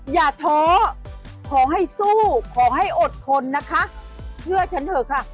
อย่าท้อขอให้สู้ขอให้อดทนนะคะเพื่อฉันเถอะค่ะ